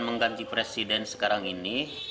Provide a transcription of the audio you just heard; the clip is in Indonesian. mengganti presiden sekarang ini